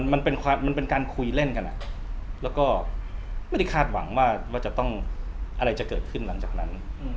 มันเป็นการคุยเล่นกันแล้วก็ไม่ได้คาดหวังว่าจะต้องอะไรจะเกิดขึ้นหลังจากนั้น